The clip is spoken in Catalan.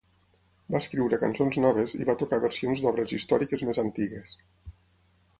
Va escriure cançons noves i va tocar versions d'obres històriques més antigues.